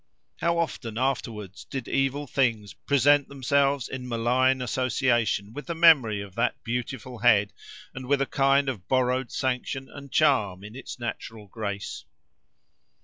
How often, afterwards, did evil things present themselves in malign association with the memory of that beautiful head, and with a kind of borrowed sanction and charm in its natural grace!